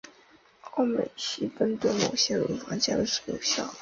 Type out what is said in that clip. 奥美昔芬对某些乳房纤维腺瘤患者有效。